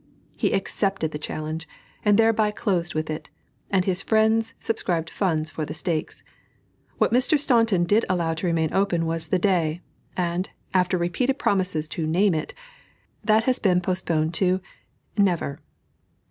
He accepted the challenge, and thereby closed with it, and his friends subscribed funds for the stakes. What Mr. Staunton did allow to remain open was the day; and, after repeated promises to name it, that has been postponed to never.